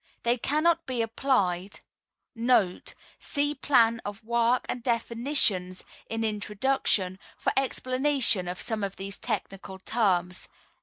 They cannot be applied* [See Plan of Work and Definitions, in Introduction, for explanation of some of these technical terms.